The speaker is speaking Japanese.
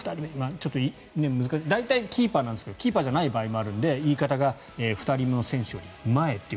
ちょっと難しい大体キーパーなんですがキーパーじゃない場合もあるので言い方が２人の選手より前と。